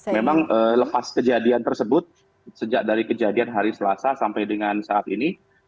memang lepas kejadian tersebut sejak dari kejadian hari selasa sampai dengan saat ini